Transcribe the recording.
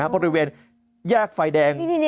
บริเวณแยกไฟแดง